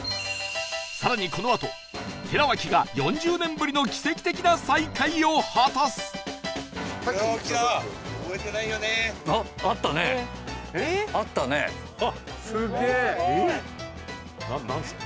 更にこのあと寺脇が４０年ぶりの奇跡的な再会を果たすなんすか？